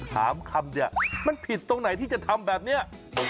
คำเนี่ยมันผิดตรงไหนที่จะทำแบบนี้